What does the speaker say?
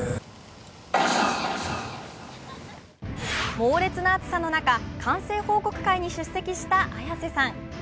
猛烈な暑さの中完成報告会に出席した綾瀬さん。